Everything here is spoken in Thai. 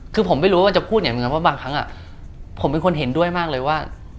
คือผมไม่รู้ว่าจะพูดอย่างนี้เพราะบางครั้งอะผมเป็นคนเห็นด้วยมากเลยว่า